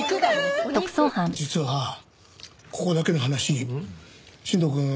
実はここだけの話新藤くん